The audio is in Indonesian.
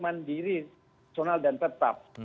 mandiri personal dan tetap